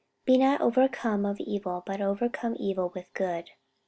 Be not overcome of evil, but overcome evil with good."